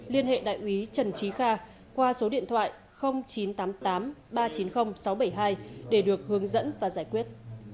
liên hệ đại úy trần trí kha qua số điện thoại chín trăm tám mươi tám ba trăm chín mươi sáu trăm bảy mươi hai để được hướng dẫn và giải quyết